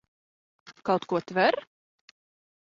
Kaut ko tver?